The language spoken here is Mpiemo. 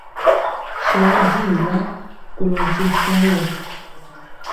Sɔɔ jwi wa kolɔ nkye saŋ wɔ.